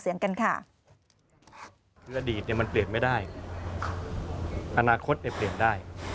เสียงกันค่ะ